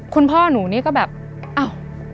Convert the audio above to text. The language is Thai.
คุณพ่อหนูนี่ก็แบบอ้าว